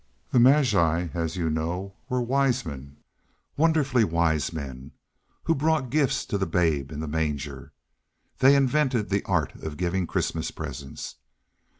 The magi, as you know, were wise men—wonderfully wise men—who brought gifts to the Babe in the manger. They invented the art of giving Christmas presents.